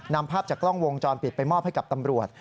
นำภาพจากกล้องวงจรปิดไปมอบให้กับตำรวจ